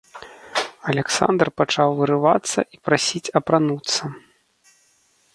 Аляксандр пачаў вырывацца і прасіць апрануцца.